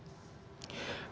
seberapa besar dampak pasal ini